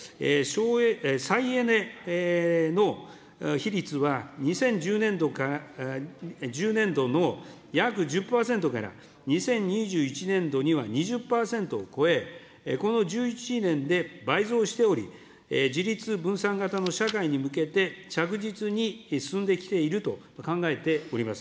再エネの比率は２０１０年度の約１０％から、２０２１年度には２０％を超え、この１１年で倍増しており、自立分散型の社会に向けて、着実に進んできていると考えております。